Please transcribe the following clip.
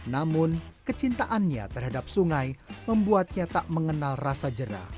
namun kecintaannya terhadap sungai membuatnya tak mengenal rasa jerna